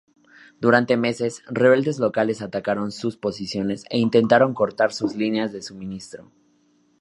Durante meses, rebeldes locales atacaron sus posiciones e intentaron cortar sus líneas de suministro.